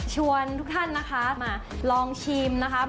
ชวนทุกท่านนะคะมาลองชิมนะครับ